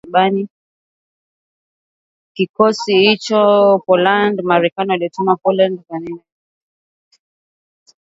Kikosi hicho ni sehemu ya idadi kubwa ya wanajeshi elfu tano wa Marekani waliotumwa Poland katika wiki za karibuni.